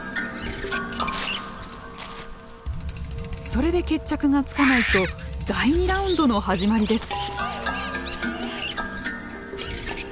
それで決着がつかないと第２ラウンドの始まりです。